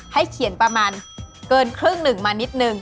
ให้เขียนประมาณเกินครึ่งหนึ่งมานิดนึง